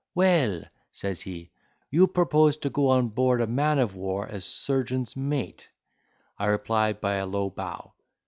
"Well," says he, "you propose to go on board a man of war as surgeon's mate." I replied by a low bow.